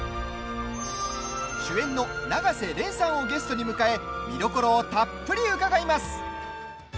主演の永瀬廉さんをゲストに迎え見どころをたっぷり伺います。